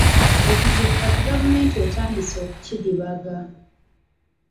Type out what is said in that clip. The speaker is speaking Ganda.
Ekizibu gavumenti kati etandise okukidibaga.